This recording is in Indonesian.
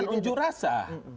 ini bukan ujuk rasa